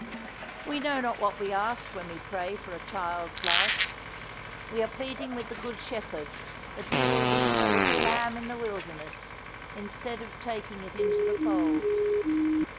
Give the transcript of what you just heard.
We know not what we ask when we pray for a child's life. We are pleading with the Good Shepherd that He will leave a little lamb in the wilderness instead of taking it into the fold.